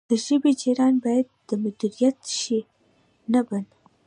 د ژبې جریان باید مدیریت شي نه بند.